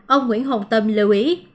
ông nguyễn hồng tâm lưu ý